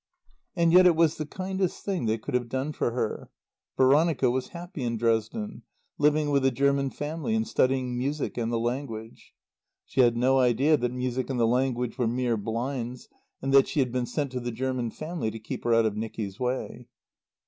And yet it was the kindest thing they could have done for her. Veronica was happy in Dresden, living with a German family and studying music and the language. She had no idea that music and the language were mere blinds, and that she had been sent to the German family to keep her out of Nicky's way.